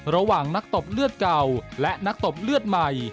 ระหว่างนักตบเลือดเก่าและนักตบเลือดใหม่